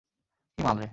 কি মাল রে!